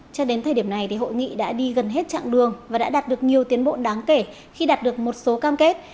cho đến thời điểm này hội nghị đã đi gần hết chặng đường và đã đạt được nhiều tiến bộ đáng kể khi đạt được một số cam kết